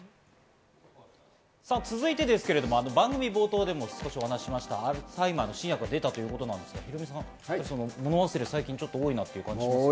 続いてですけれど、番組冒頭でもお話しましたアルツハイマー新薬が出たということですが、ヒロミさん、もの忘れが最近多いなっていう感じしますか？